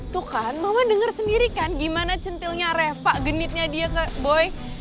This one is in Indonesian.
tuh kan mama denger sendiri kan gimana centilnya reva genitnya dia ke boy